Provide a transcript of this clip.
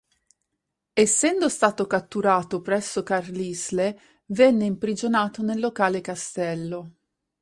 Essendo stato catturato presso Carlisle venne imprigionato nel locale castello.